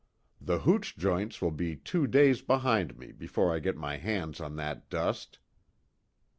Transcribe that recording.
The hooch joints will be two days behind me before I get my hands on that dust."